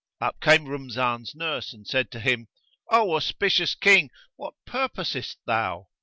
up came Rumzan's nurse and said to him, "O auspicious King, what purposest thou?"